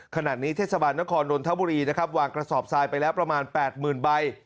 ขณะนี้เทศบาลนครนนทบุรีนะครับวางกระสอบทรายไปแล้วประมาณ๘๐๐๐ใบ